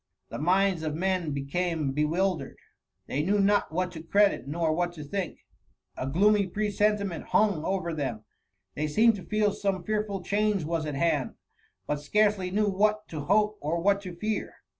The minds of men became be i wildered ; they knew not what to credit nor what to think; a gloomy presentiment hung over them ; they seemed to feel some fearful change was at hand, but scarcely knew what to hope or what to fear.